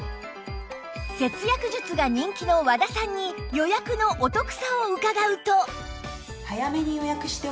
節約術が人気の和田さんに予約のお得さを伺うと